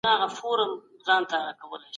کندهاری